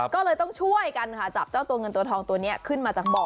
ก็เลยต้องช่วยกันค่ะจับเจ้าตัวเงินตัวทองตัวนี้ขึ้นมาจากบ่อ